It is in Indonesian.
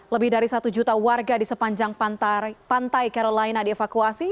lebih dari satu juta warga di sepanjang pantai carolina dievakuasi